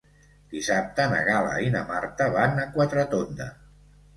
Dissabte na Gal·la i na Marta van a Quatretonda.